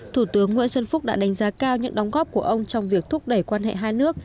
thủ tướng nguyễn xuân phúc đã đánh giá cao những đóng góp của ông trong việc thúc đẩy quan hệ hai nước